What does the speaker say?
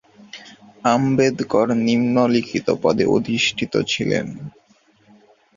আম্বেদকর নিম্নলিখিত পদে অধিষ্ঠিত ছিলেন,